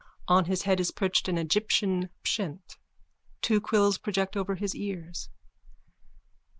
On his head is perched an Egyptian pshent. Two quills project over his ears.)